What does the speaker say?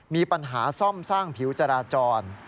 มีปัญหาซ่อมสร้างผิวจราจร